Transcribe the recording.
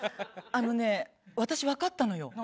あのね私わかったのよ。